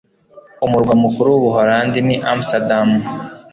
Umurwa mukuru w'Ubuholandi ni Amsterdam.